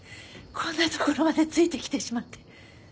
こんな所までついてきてしまって。